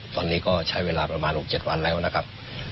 ตอนนี้ก็ใช้เวลาประมาณ๖๗วันแล้วนะครับ